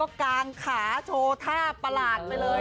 กางขาโชว์ท่าประหลาดไปเลย